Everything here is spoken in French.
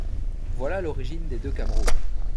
Voilà l'origine des deux Cameroun.